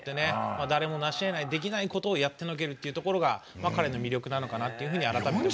誰もなし得ない、できないことをやってのけるというのが彼の魅力なのかなと改めて思いました。